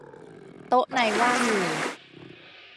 โต๊ะในว่างอยู่